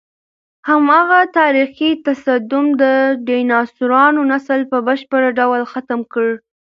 هماغه تاریخي تصادم د ډیناسورانو نسل په بشپړ ډول ختم کړ.